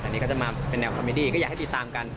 แต่นี่ก็จะมาเป็นแนวคอมมิดี้ก็อยากให้ติดตามกัน